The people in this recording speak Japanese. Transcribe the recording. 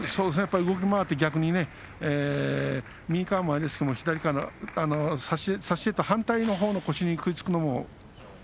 動き回って逆に右からもあれですけど、左から差し手と反対の腰に食いつくのも。